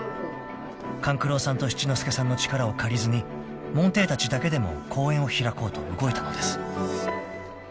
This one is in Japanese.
［勘九郎さんと七之助さんの力を借りずに門弟たちだけでも公演を開こうと動いたのです］